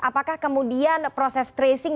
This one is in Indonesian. apakah kemudian proses tracing